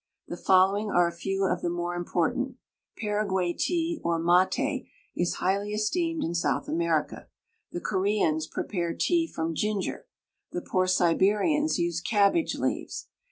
The following are a few of the more important: Paraguay tea, or maté, is highly esteemed in South America. The Coreans prepare tea from ginger. The poor Siberians use cabbage leaves.